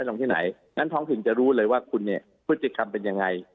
ลงที่ไหนนั่นท้องปิสิตจะรู้เลยว่าคุณนี้วิธีศิกรรมเป็นอย่างไร